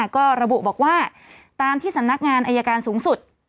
ก็ระบุบอกว่าตามที่สำนักงานอายการสูงสุด